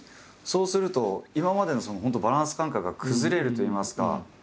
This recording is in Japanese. そうすると今までのバランス感覚が崩れるといいますか。